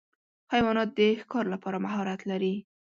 حیوانات د ښکار لپاره مهارت لري.